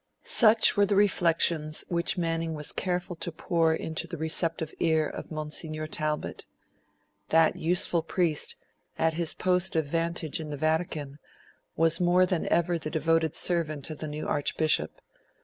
Such were the reflections which Manning was careful to pour into the receptive car of Monsignor Talbot. That useful priest, at his post of vantage in the Vatican, was more than ever the devoted servant of the new Archbishop.